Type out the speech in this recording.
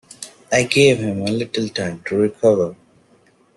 I gave him a little time to recover.